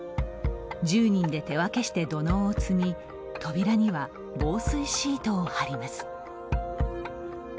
１０人で手分けして土のうを積み扉には防水シートを貼ります。